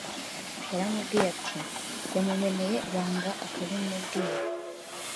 yaramubwiye ati yamumeneye ibanga akabimubwira